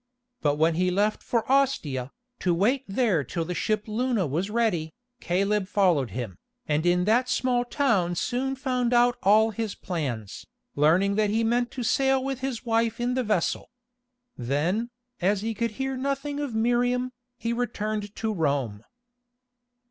But when he left for Ostia, to wait there till the ship Luna was ready, Caleb followed him, and in that small town soon found out all his plans, learning that he meant to sail with his wife in the vessel. Then, as he could hear nothing of Miriam, he returned to Rome.